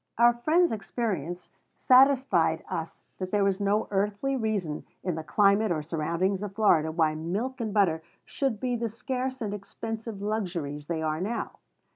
Our friend's experience satisfied us that there was no earthly reason in the climate or surroundings of Florida why milk and butter should be the scarce and expensive luxuries they are now.